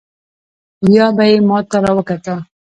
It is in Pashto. بيا به يې ما ته راوکتل.